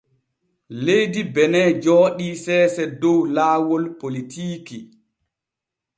Leydi Bene jooɗii seese dow laawol politiiki.